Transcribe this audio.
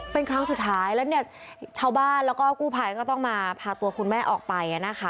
เป็นครั้งสุดท้ายแล้วเนี่ยชาวบ้านแล้วก็กู้ภัยก็ต้องมาพาตัวคุณแม่ออกไปนะคะ